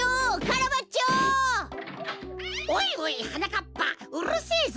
おいおいはなかっぱうるせえぞ！